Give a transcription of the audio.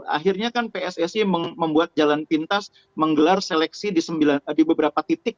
akhirnya kan pssi membuat jalan pintas menggelar seleksi di beberapa titik